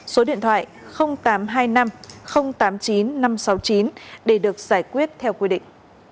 số điện thoại tám trăm hai mươi năm tám mươi chín năm trăm sáu mươi chín để được giải quyết theo quy định